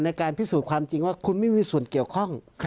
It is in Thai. ในการพิสูจน์ความจริงว่าคุณไม่มีส่วนเกี่ยวข้อง